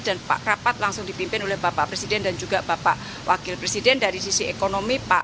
dan pak rapat langsung dipimpin oleh bapak presiden dan juga bapak wakil presiden dari sisi ekonomi pak